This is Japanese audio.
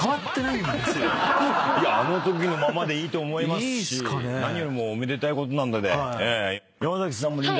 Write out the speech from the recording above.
いやあのときのままでいいと思いますし何よりもおめでたいことなので。